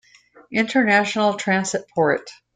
International transit port.